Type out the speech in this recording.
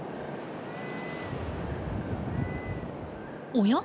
おや？